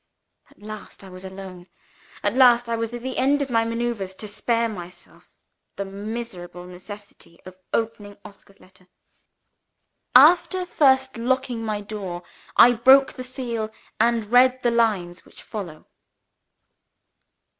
At last, I was alone. At last I was at the end of my maneuvers to spare myself the miserable necessity of opening Oscar's letter. After first locking my door, I broke the seal, and read the lines which follow.